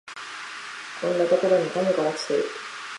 こんなところにガムが落ちてる